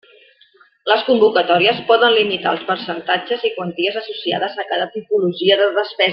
Les convocatòries poden limitar els percentatges i quanties associades a cada tipologia de despesa.